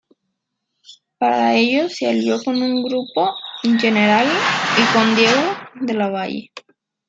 Para ello se alió con Gruppo Generali y con Diego della Valle.